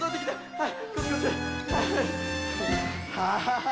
はい！